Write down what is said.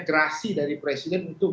gerasi dari presiden untuk